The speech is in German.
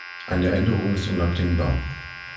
Eine Änderung ist unabdingbar.